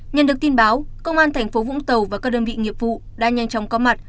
nhân được tin báo công an tp vũng tàu và các đơn vị nghiệp vụ đã nhanh chóng có mặt